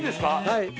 はい。